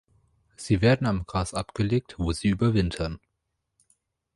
Sie werden am Gras abgelegt, wo sie überwintern.